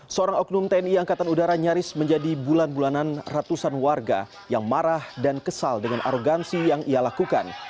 seorang oknum tni angkatan udara nyaris menjadi bulan bulanan ratusan warga yang marah dan kesal dengan arogansi yang ia lakukan